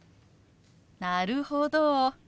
なるほど。